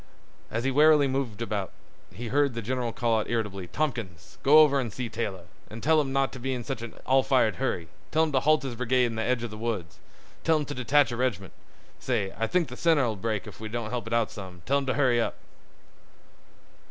As he warily moved about, he heard the general call out irritably: "Tompkins, go over an' see Taylor, an' tell him not t' be in such an all fired hurry; tell him t' halt his brigade in th' edge of th' woods; tell him t' detach a reg'ment—say I think th' center 'll break if we don't help it out some; tell him t' hurry up."